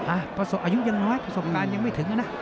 ประสบอายุยังน้อยประสบการณ์ยังไม่ถึงนะ